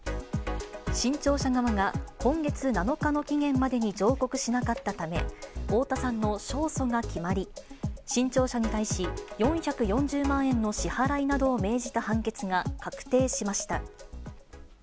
新潮社側が今月７日の期限までに上告しなかったため、太田さんの勝訴が決まり、新潮社に対し４４０万円の支払いなどを命じた判決が確定しました。